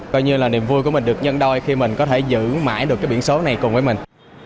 coi như là niềm vui của mình được nhân đôi khi mình có thể giữ mãi được cái biển số này cùng với mình